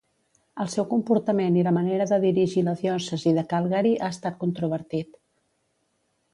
El seu comportament i la manera de dirigir la diòcesi de Calgary ha estat controvertit.